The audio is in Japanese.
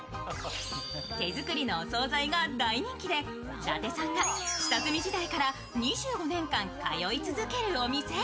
手作りのお総菜が大人気で伊達さんが下積み時代から２５年間通い続けるお店。